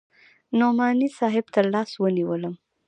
نعماني صاحب تر لاس ونيولم.